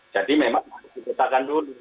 jadi memang harus ditetapkan dulu